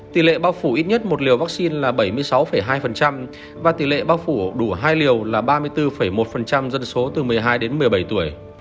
tỷ lệ bao phủ ít nhất một liều vaccine là bảy mươi sáu hai và tỷ lệ bao phủ đủ hai liều là ba mươi bốn một dân số từ một mươi hai đến một mươi bảy tuổi